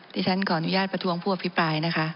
ที่ฉันขออนุญาตประท้วงผู้อภิปรายนะคะ